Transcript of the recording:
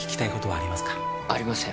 ありません